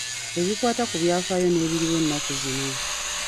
Ebikwata ku byafaayo n'ebiriwo ennaku zino.